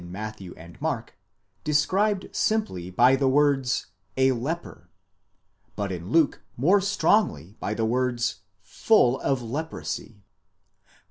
Matthew and Mark described simply by the word λεπρὸς, a /efer ; but in Luke more strongly, by the words, πλήρης λέπρας, full of leprosy.